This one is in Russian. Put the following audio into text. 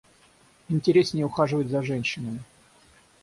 Интереснее ухаживать за женщинами.